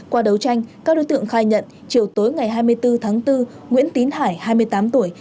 qua đấu tranh các đối tượng khai nhận chiều tối ngày hai mươi bốn tháng bốn nguyễn tín hải hai mươi tám tuổi